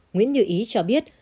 nguyễn như ý cho biết